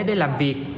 để làm việc